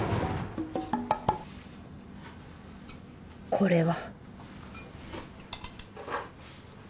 これは